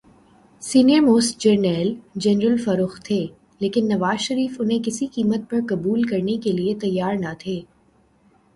Senior most جرنیل general Farrukh تھے‘ لیکن نواز شریف انہیں کسی قیمت پر قبول کرنے کیلئے تیار نہ تھے۔